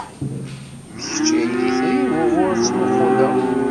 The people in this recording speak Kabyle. D kečč ay d itri wuɣur ttmuqquleɣ.